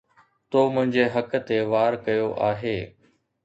تو منهنجي حق تي وار ڪيو آهي